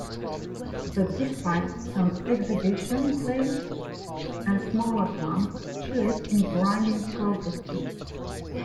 But despite some exhibitions, sales, and smaller grants, she lived in grinding poverty.